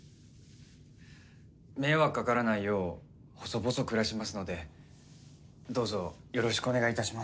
迷惑かからないよう細々暮らしますのでどうぞよろしくお願いいたします。